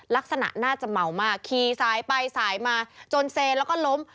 ลักษณะน่าจะเมามากขี่สายไปสายมาจนเซแล้วก็ล้ม